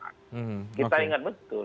kita ingat betul